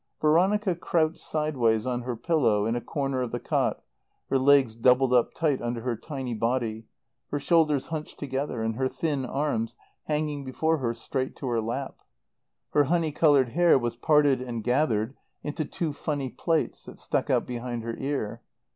Veronica crouched sideways on her pillow in a corner of the cot, her legs doubled up tight under her tiny body, her shoulders hunched together, and her thin arms hanging before her straight to her lap. Her honey coloured hair was parted and gathered into two funny plaits, that stuck out behind her ear.